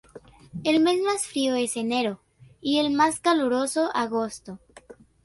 El mes más frío es enero, y el más caluroso, agosto.